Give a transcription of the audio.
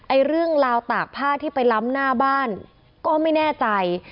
เรื่องราวตากผ้าที่ไปล้ำหน้าบ้านก็ไม่แน่ใจ